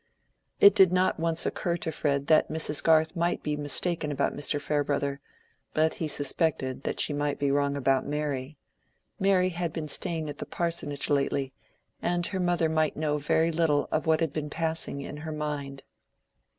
It did not once occur to Fred that Mrs. Garth might be mistaken about Mr. Farebrother, but he suspected that she might be wrong about Mary. Mary had been staying at the parsonage lately, and her mother might know very little of what had been passing in her mind.